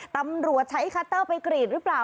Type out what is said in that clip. ตำรวจใช้คัตเตอร์ไปกรีดหรือเปล่า